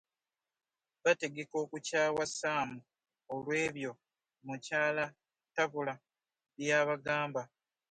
Bategeka okukyawa Ssaamu olw’ebyo Mukyala Tabula by’abagamba.